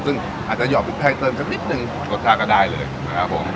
ซึ่งอาจจะหยอกนิตร้ายเติมกันนิดหนึ่งรสชาก็ได้เลยนะครับผม